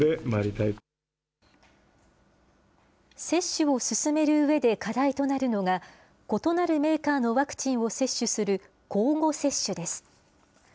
接種を進めるうえで課題となるのが、異なるメーカーのワクチンを接種する、交互接種です。